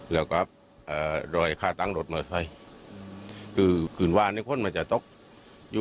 รอยขาดตังค์แล้วมีรอยลดถ้อย